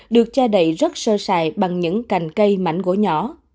được che đầy rất sơ sài bằng những cành cây mảnh gỗ nhỏ